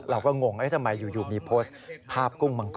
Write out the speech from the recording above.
งงทำไมอยู่มีโพสต์ภาพกุ้งมังกร